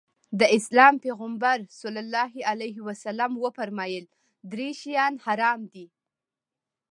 د اسلام پيغمبر ص وفرمايل درې شيان حرام دي.